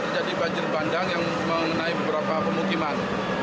terjadi banjir bandang yang mengenai beberapa pemukiman